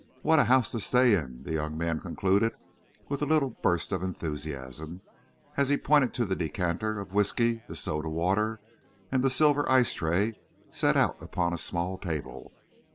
What a house to stay in!" the young man concluded, with a little burst of enthusiasm, as he pointed to the decanter of whisky, the soda water, and the silver ice tray set out upon a small table.